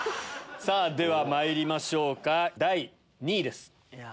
ではまいりましょうか第２位です。